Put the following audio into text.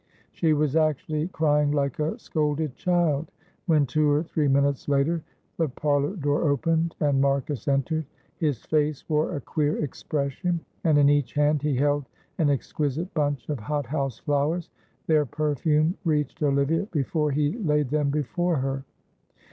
She was actually crying like a scolded child, when two or three minutes later the parlour door opened and Marcus entered. His face wore a queer expression, and in each hand he held an exquisite bunch of hot house flowers; their perfume reached Olivia before he laid them before her.